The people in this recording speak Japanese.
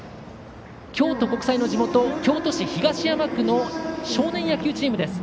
京都国際の地元・京都市東山区の少年野球チームです。